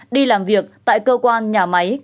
đi làm việc tại cơ quan nhà máy